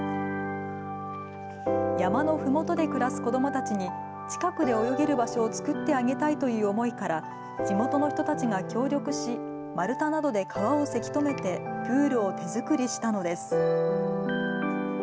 山のふもとで暮らす子どもたちに、近くで泳げる場所を作ってあげたいという思いから、地元の人たちが協力し、丸太などで川をせき止めてプールを手作りしたのです。